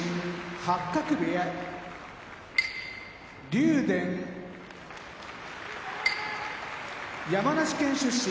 八角部屋竜電山梨県出身